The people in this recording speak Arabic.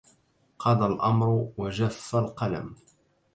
قضى الأمر وجف القلم